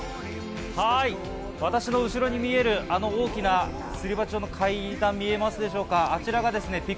私の後ろに見える、あの大きなすり鉢状の階段が見えますでしょうか？